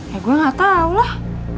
ya gua nggak tahu lah